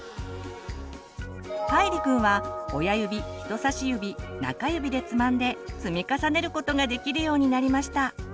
かいりくんは親指人さし指中指でつまんで積み重ねることができるようになりました。